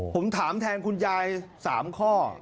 ผมถามแทนคุณยาย๓ข้อ